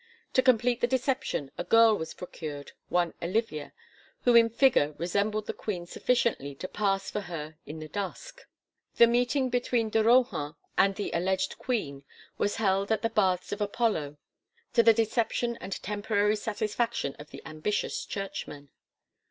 To complete the deception a girl was procured, one Olivia, who in figure resembled the queen sufficiently to pass for her in the dusk. The meeting between de Rohan and the alleged queen was held at the Baths of Apollo to the deception and temporary satisfaction of the ambitious churchman.